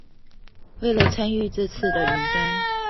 為了參與這次的雲端